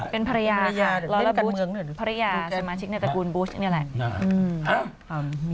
เป็นภรรยาล้อกับภรรยาสมาชิกในตระกูลบูชนี่แหละ